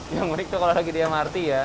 yang menarik tuh kalau lagi diam arti ya